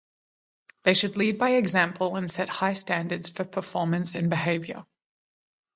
They should lead by example and set high standards for performance and behavior.